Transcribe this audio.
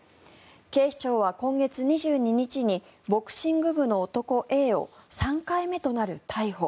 警視庁は今月２２日にボクシング部の男Ａを３回目となる逮捕。